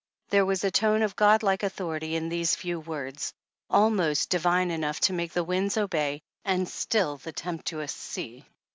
There was a tone of godlike authority in these few words, almost divine enough to make the winds obey and still the tempestuous sea.